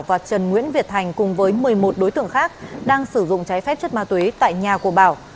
và trần nguyễn việt thành cùng với một mươi một đối tượng khác đang sử dụng trái phép chất ma túy tại nhà của bảo